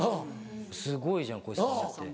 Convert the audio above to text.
すごいじゃんこいつと思って。